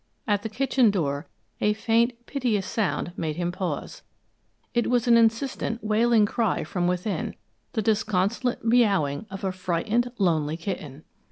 At the kitchen door a faint, piteous sound made him pause. It was an insistent, wailing cry from within, the disconsolate meowing of a frightened, lonely kitten.